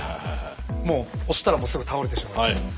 もう押したらすぐ倒れてしまう。